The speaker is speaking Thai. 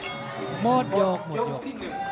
หมดโยคหมดโยค